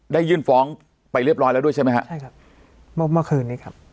ยื่นฟ้องไปเรียบร้อยแล้วด้วยใช่ไหมฮะใช่ครับเมื่อเมื่อคืนนี้ครับ